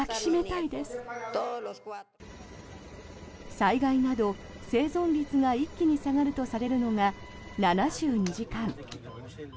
災害など生存率が一気に下がるとされるのが７２時間。